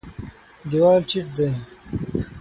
دېوال ټیټ دی.